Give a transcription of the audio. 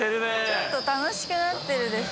ちょっと楽しくなってるでしょ。